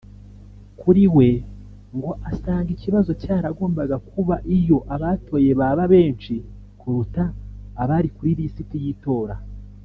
Kuri we ngo asanga ikibazo cyaragombaga kuba iyo abatoye baba benshi kuruta abari kuri lisiti y’itora